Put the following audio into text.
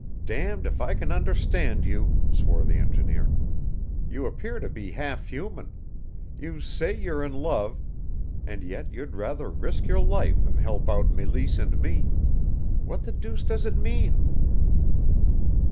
"Damned if I can understand you," swore the engineer. "You appear to be half human; you say you're in love, and yet you'd rather risk your life than help out Meleese and me. What the deuce does it mean?"